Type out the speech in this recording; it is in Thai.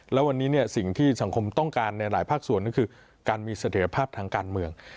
แล้ววันนี้เนี่ยสิ่งที่สังคมต้องการในหลายภาคส่วนก็คือการมีเสถียรภาพทางการเมือง